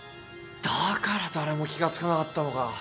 だから誰も気が付かなかったのか。